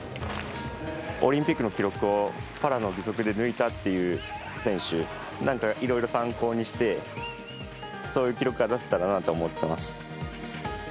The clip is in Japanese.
オリンピックの記録をパラの義足で抜いたっていう選手なんかいろいろ参考にしてそういう記録が出せたらなと思っています。